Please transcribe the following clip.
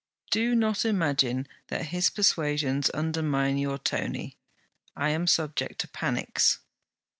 'Do not imagine that his persuasions undermined your Tony. I am subject to panics.'